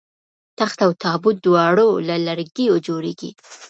تخت او تابوت دواړه له لرګیو جوړیږي